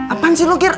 apaan sih lu gir